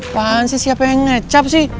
apaan sih siapa yang kecap sih